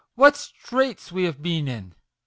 What straits we have been in !